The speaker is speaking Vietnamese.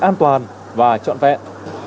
an toàn và trọn vẹn